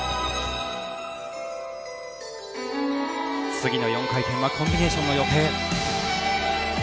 次の４回転はコンビネーションの予定。